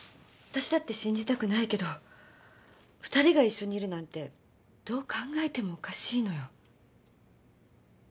私だって信じたくないけど２人が一緒にいるなんてどう考えてもおかしいのよ。